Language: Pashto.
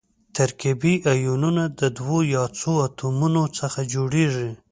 ترکیبي ایونونه د دوو یا څو اتومونو څخه جوړیږي.